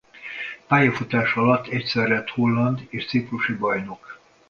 Pályafutása alatt egyszer lett holland és ciprusi bajnok.